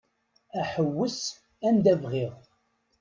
Aḥewwes anda bɣiɣ.